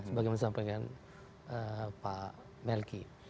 sebagai yang disampaikan pak melki